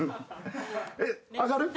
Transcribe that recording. えっ上がる？